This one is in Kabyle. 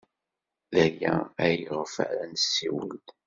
D aya ayɣef ara nessiwel.